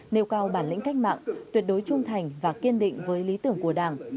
nêu cao bản lĩnh cách mạng tuyệt đối trung thành và kiên định với lý tưởng của đảng